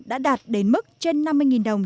đã đạt đến mức trên năm mươi đồng